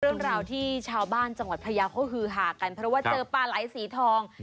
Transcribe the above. เรื่องราวที่ชาวบ้านจังหวัดพยาวเขาฮือหากันเพราะว่าเจอปลาไหลสีทอง